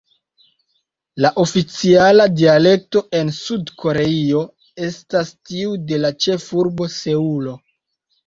La oficiala dialekto en Sud-Koreio estas tiu de la ĉefurbo Seulo.